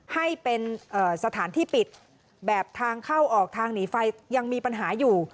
ให้เป็นสถานที่ปิดแบบทางเข้าออกทางหนีไฟยังมีปัญหาอยู่